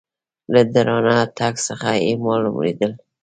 له درانه تګ څخه یې مالومېدل .